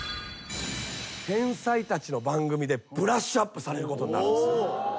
天才たちの番組でブラッシュアップされることになるんです。